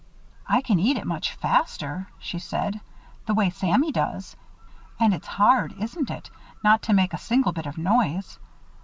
"I can eat it much faster," she said, "the way Sammy does. And it's hard, isn't it, not to make a single bit of noise!